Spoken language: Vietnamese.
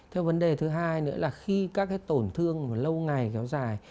theo vấn đề thứ hai nữa là khi các cái tổn thương lâu ngày kéo dài